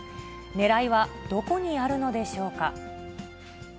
ねらいはどこにあるのでしょうか。